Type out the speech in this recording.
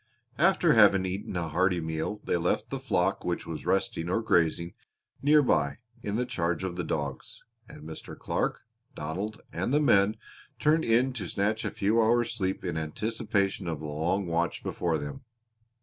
After having eaten a hearty meal they left the flock which was resting or grazing near by in charge of the dogs, and Mr. Clark, Donald, and the men turned in to snatch a few hours' sleep in anticipation of the long watch before them.